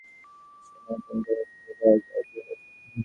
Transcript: কিন্তু যদি পর্বত মহম্মদের কাছে না আসে, মহম্মদকেই পর্বতের নিকট যাইতে হইবে।